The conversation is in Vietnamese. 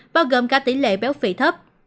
bao gồm cả tỷ lệ béo phị thấp